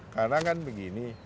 karena kan begini